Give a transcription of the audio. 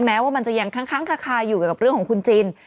แม้ว่ามันจะยังค้างคาอยู่กับเรื่องของคุณจิน